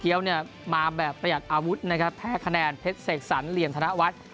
งานนะมาแบบเปยัตรอวุธนะครับแตกขนาดเพศเสกสรรเหลี่ยมทณะวัน